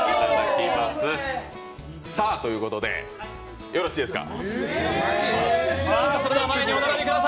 ということで、よろしいですか。